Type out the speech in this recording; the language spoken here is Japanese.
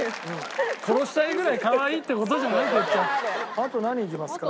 あと何いきますか？